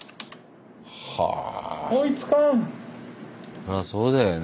そらそうだよね。